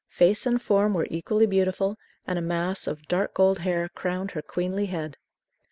Face and form were equally beautiful, and a mass of "dark gold hair" crowned her "queenly head."